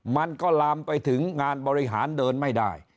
มันก็ลามไปถึงงานบริหารเดินไม่ได้